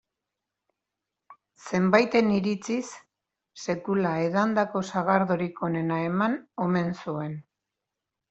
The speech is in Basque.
Zenbaiten iritziz, sekula edandako sagardorik onena eman omen zuen.